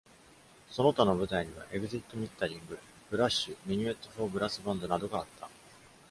その他の舞台には「Exit Muttering」「Crash」「Minuet for Brass Band」などがあった。